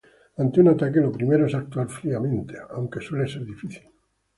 Ante un ataque, lo primero es actuar fríamente; aunque suele ser difícil.